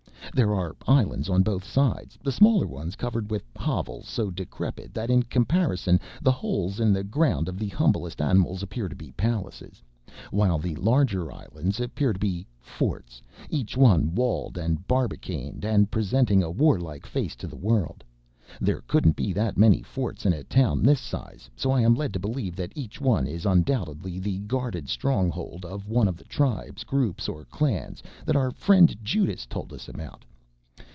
There are islands on both sides, the smaller ones covered with hovels so decrepit that in comparison the holes in the ground of the humblest animals appear to be palaces, while the larger islands appear to be forts, each one walled and barbicaned and presenting a warlike face to the world. There couldn't be that many forts in a town this size so I am led to believe that each one is undoubtedly the guarded stronghold of one of the tribes, groups or clans that our friend Judas told us about.